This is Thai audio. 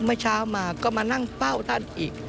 เมื่อเช้ามาก็มานั่งเฝ้าท่านอีก